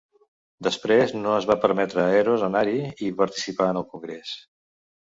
Després no es va permetre a Eros anar-hi i participar en el congrés.